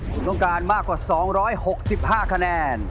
คุณต้องการมากกว่า๒๖๕คะแนน